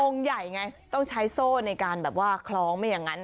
ใหญ่ไงต้องใช้โซ่ในการแบบว่าคล้องไม่อย่างนั้น